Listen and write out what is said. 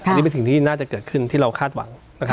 อันนี้เป็นสิ่งที่น่าจะเกิดขึ้นที่เราคาดหวัง